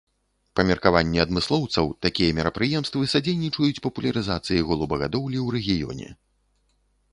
Па меркаванні адмыслоўцаў, такія мерапрыемствы садзейнічаюць папулярызацыі голубагадоўлі ў рэгіёне.